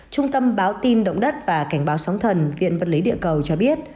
trung tâm báo tin động đất và cảnh báo sóng thần viện vật lý địa cầu cho biết